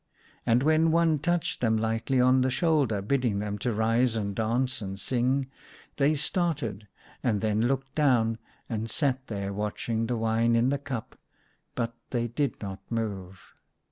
And when one touched them lightly on the shoulder, bidding them to rise and dance and sing, they started, and then looked down, and sat there watching the wine in the cup, but they did not move.